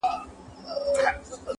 اوس د شیخانو له شامته شهباز ویني ژاړي -